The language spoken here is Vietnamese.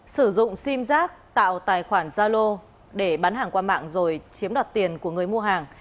sử dụng sim giác tạo tài khoản gia lô để bán hàng qua mạng rồi chiếm đoạt tiền của người mua hàng